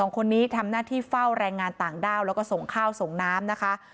คนนี้ทำหน้าที่เฝ้าแรงงานต่างด้าวแล้วก็ส่งข้าวส่งน้ำนะคะ